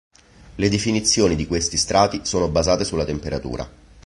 Le definizioni di questi strati sono basate sulla temperatura.